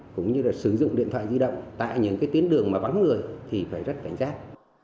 cũng như sử dụng điện thoại di động tại những tuyến đường bắn người thì phải rất cảnh giác